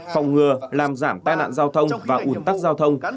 phòng ngừa làm giảm tai nạn giao thông và ủn tắc giao thông